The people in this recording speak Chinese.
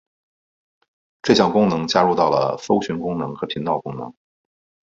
这项功能加入到了搜寻功能和频道功能。